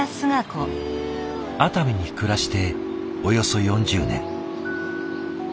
熱海に暮らしておよそ４０年。